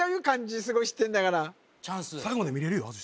漢字すごい知ってんだからチャンス最後まで見れるよ